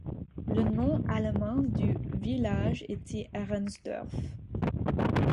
Le nom allemand du village était Arensdorf.